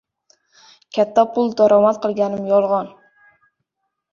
Katta pul daromad qilganim — yolg‘on!